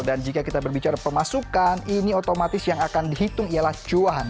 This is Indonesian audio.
dan jika kita berbicara pemasukan ini otomatis yang akan dihitung ialah cuan